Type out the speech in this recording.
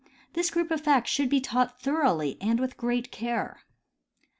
This group of facts should be taught thoroughly and with great care.